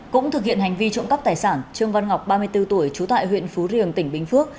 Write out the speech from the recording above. cũng thực hiện hành vi trộm cắp tài sản trương văn ngọc ba mươi bốn tuổi trú tại huyện phú riềng tỉnh bình phước